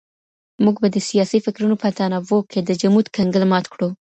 موږ به د سياسي فکرونو په تنوع کي د جمود کنګل مات کړو.